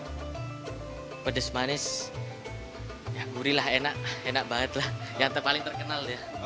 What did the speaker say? karena pedas manis gurih lah enak enak banget lah yang paling terkenal dia